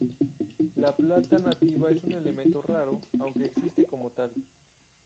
La plata nativa es un elemento raro, aunque existe como tal.